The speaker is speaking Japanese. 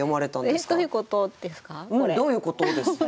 「どういうこと？」ですか？